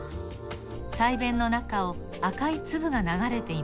鰓弁の中を赤いつぶがながれています。